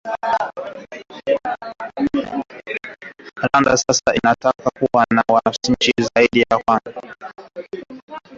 Rwanda sasa inataka Jamhuri ya Kidemokrasia ya Kongo kuchunguzwa kutokana na shutuma zake dhidi ya Rwanda.